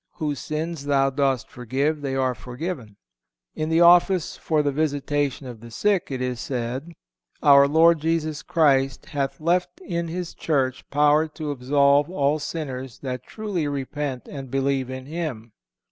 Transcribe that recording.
Whose sins thou dost forgive, they are forgiven." In the office for the visitation of the sick it is said, "Our Lord Jesus Christ hath left in His Church power to absolve all sinners that truly repent and believe in Him."